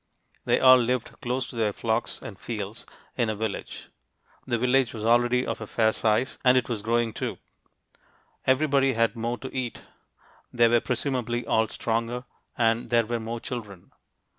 They all lived close to their flocks and fields, in a village. The village was already of a fair size, and it was growing, too. Everybody had more to eat; they were presumably all stronger, and there were more children.